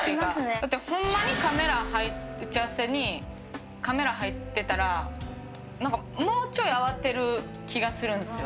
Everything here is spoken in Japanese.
だってホンマにカメラ打ち合わせにカメラ入ってたらなんかもうちょい慌てる気がするんですよ。